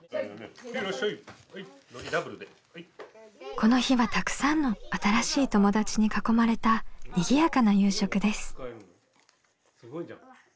この日はたくさんの新しい友達に囲まれたにぎやかな夕食です。